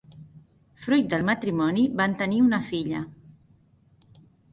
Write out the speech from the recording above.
Fruit del matrimoni, van tenir una filla.